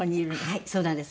はいそうなんです。